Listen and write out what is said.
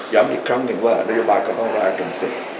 ย้ำอีกครั้งหนึ่งว่านโยมายก็ต้องรายกันเสร็จ